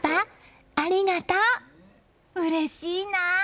うれしいなあ。